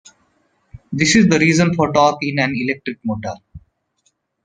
This is the reason for torque in an electric motor.